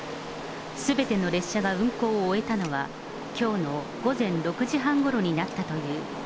すべての列車が運行を終えたのは、きょうの午前６時半ごろになったという。